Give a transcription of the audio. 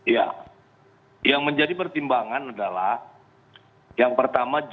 ya yang menjadi pertimbangan adalah yang pertama jaringan terorisme